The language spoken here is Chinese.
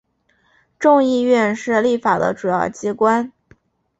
众议院是立法的主要机关。